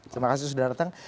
terima kasih sudah datang